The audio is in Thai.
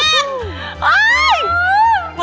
แต่น้องไม่ยอมค่ะ